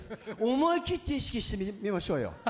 思い切って意識して見ましょうよ。